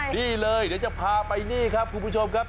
นี่เลยเดี๋ยวจะพาไปนี่ครับคุณผู้ชมครับ